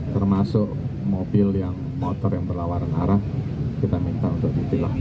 termasuk mobil yang motor yang berlawaran arah kita minta untuk ditilang